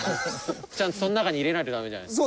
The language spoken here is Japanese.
ちゃんとその中に入れないとダメじゃないですか。